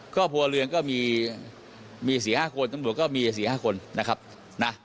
ก็พลเรือนก็มีมีสี่ห้าคนตำรวจก็มีสี่ห้าคนนะครับนะ